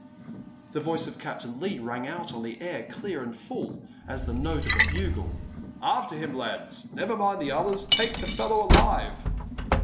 The voice of Captain Leigh rang out on the air clear and full as the note of a bugle: "After him, lads! Never mind the others! Take the fellow alive!"